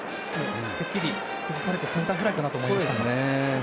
てっきり崩されてセンターフライかなと思いましたが。